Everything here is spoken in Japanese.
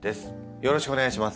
よろしくお願いします。